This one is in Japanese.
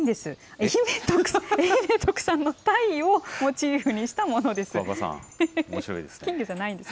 愛媛特産のたいをモチーフにしたものです。